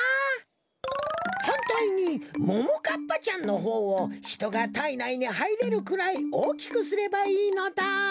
はんたいにももかっぱちゃんのほうをひとがたいないにはいれるくらいおおきくすればいいのだ。